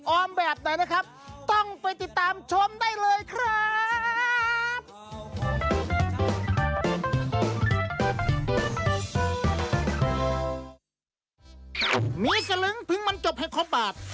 แบบไหนนะครับต้องไปติดตามชมได้เลยครับ